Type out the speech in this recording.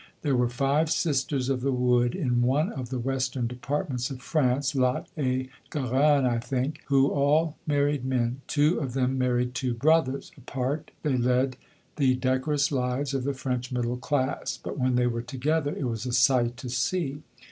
There were five sisters of the wood in one of the Western departments of France (Lot et Garonne, I think), who all married men: two of them married two brothers. Apart they led the decorous lives of the French middle class, but when they were together it was a sight to see!